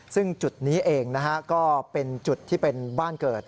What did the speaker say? ซึ่งจุดนี้เองนะฮะก็เป็นจุดที่เป็นบ้านเกิด